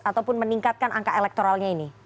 ataupun meningkatkan angka elektoralnya ini